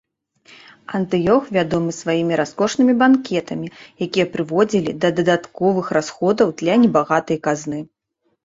Антыёх вядомы сваімі раскошнымі банкетамі, якія прыводзілі да дадатковых расходаў для небагатай казны.